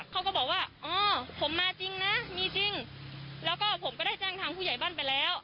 เขาก็บอกว่าอ๋อผมมาจริงนะมีจริงแล้วก็ผมก็ได้แจ้งทางผู้ใหญ่บ้านไปแล้ว